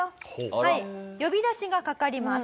はい呼び出しがかかります。